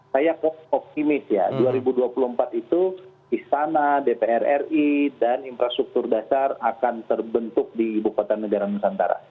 saya optimis ya dua ribu dua puluh empat itu istana dpr ri dan infrastruktur dasar akan terbentuk di ibu kota negara nusantara